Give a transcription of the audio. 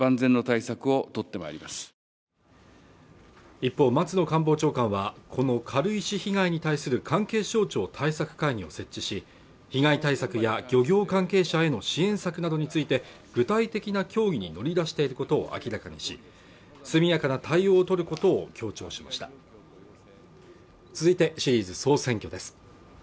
一方松野官房長官はこの軽石被害に対する関係省庁対策会議を設置し被害対策や漁業関係者への支援策などについて具体的な協議に乗り出していることを明らかにし速やかな対応を取ることを強調しました続いてシリーズ「総選挙」です